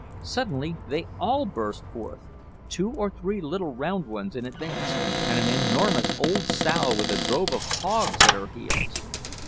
Suddenly they all burst forth two or three little round ones in advance, and an enormous old sow with a drove of hogs at her heels.